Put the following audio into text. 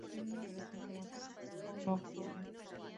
Él tiene una relación amorosa con Nocturne.